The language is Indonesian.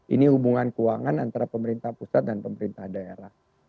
ini hubungan keuangan antara pemerintah pusat dan pemerintah daerah